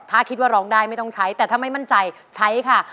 ถ้าคิดว่าร้องได้ไม่ต้องใช้แต่ถ้าไม่มั่นใจใช้ค่ะ